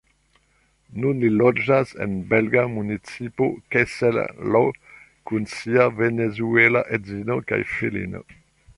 Nun li loĝas en la belga municipo Kessel-Lo kun sia venezuela edzino kaj filino.